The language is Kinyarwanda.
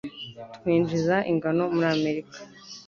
Twinjiza ingano muri Amerika.